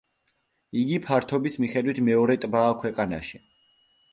იგი ფართობის მიხედვით მეორე ტბაა ქვეყანაში.